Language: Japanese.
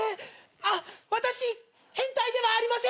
あっ私変態ではありません。